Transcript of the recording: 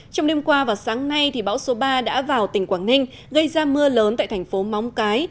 trong đêm qua và sáng nay bão số ba đã vào tỉnh quảng ninh gây ra mưa lớn tại thành phố móng cái